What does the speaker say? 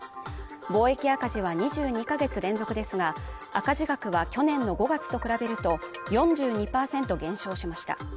貿易赤字は２２か月連続ですが、赤字額は去年の５月と比べると４２％減少しました。